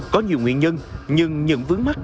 có nhiều nguyện nhân nhưng những vướng mắt